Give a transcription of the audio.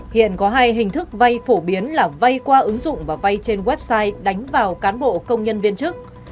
hiện có hai hình thức vay phổ biến là vay qua ứng dụng và vay trên website đánh vào cán bộ công nhân viên chức